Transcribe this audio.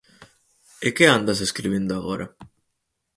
–¿E que andas escribindo agora?